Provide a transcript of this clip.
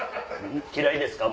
嫌いですか？